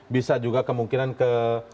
bisa juga kemungkinan ke